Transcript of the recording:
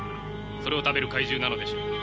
それを食べる怪獣なのでしょう。